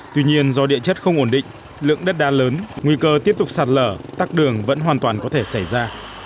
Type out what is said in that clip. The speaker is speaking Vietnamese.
tuy nhiên do địa chất không ổn định lượng đất đá lớn nguy cơ tiếp tục sạt lở tắt đường vẫn hoàn toàn có thể xảy ra